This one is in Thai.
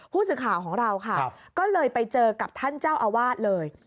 ผู้สื่อข่าวของเราค่ะก็เลยไปเจอกับท่านเจ้าอาวาสเลย